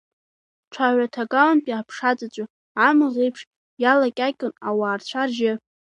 Ҽаҩраҭагалантәи аԥша ҵәыҵәы, амаӷ еиԥш, иалакьакьон ауаа рцәа-ржьы.